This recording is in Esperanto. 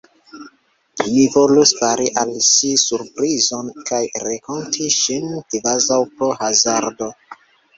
Mi volus fari al ŝi surprizon, kaj renkonti ŝin kvazaŭ pro hazardo.